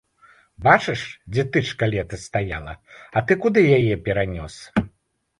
Бачыш, дзе тычка летась стаяла, а ты куды яе перанёс!